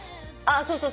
そうそう。